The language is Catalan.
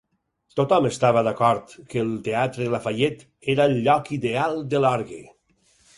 Tothom estava d'acord que el Teatre Lafayette era el lloc ideal de l'orgue.